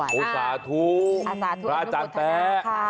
สาธุพระอาจารย์แป๊ะ